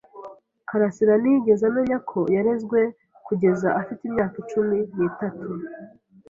karasira ntiyigeze amenya ko yarezwe kugeza afite imyaka cumi n'itatu.